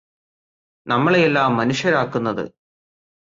നമ്മളെയെല്ലാം മനുഷ്യരാക്കുന്നത്